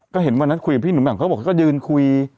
ก็เห็นวันนั้นคุยกับพี่หนุ่มแหม่มเขาบอกเขาก็ยืนคุย